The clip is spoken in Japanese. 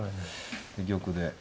玉で。